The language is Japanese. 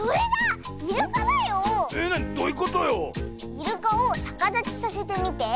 イルカをさかだちさせてみて。